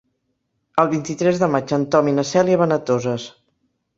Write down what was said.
El vint-i-tres de maig en Tom i na Cèlia van a Toses.